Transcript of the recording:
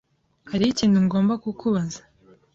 Hariho ikintu ngomba kukubaza.